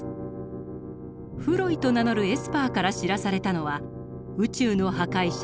フロイと名乗るエスパーから知らされたのは宇宙の破壊者